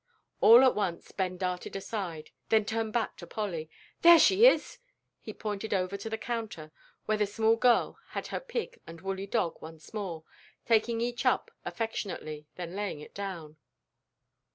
All at once Ben darted aside, then turned back to Polly. "There she is," he pointed over to the counter where the small girl had her pig and woolly dog once more, taking each up affectionately, then laying it down.